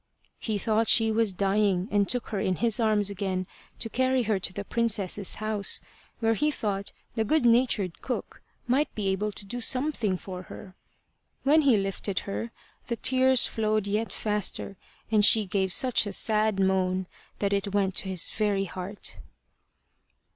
He thought she was dying, and took her in his arms again to carry her to the princess's house, where he thought the good natured cook might be able to do something for her. When he lifted her, the tears flowed yet faster, and she gave such a sad moan that it went to his very heart.